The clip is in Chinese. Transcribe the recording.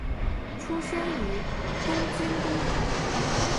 出身于东京都。